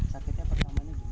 sakitnya pertamanya gimana ya